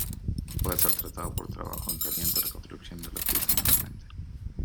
Pude ser tratado por trabajo en caliente, reconstruyendo la pieza nuevamente.